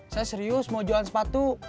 saya serius mau jualan sepatu